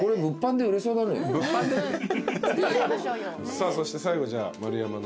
さあそして最後じゃあ丸山の。